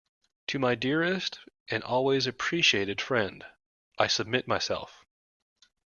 To my dearest and always appreciated friend, I submit myself.